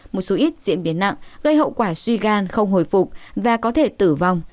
một số ít diễn biến nặng gây hậu quả suy gan không hồi phục và có thể tử vong